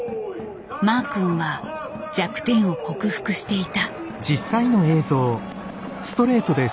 マー君は弱点を克服していた。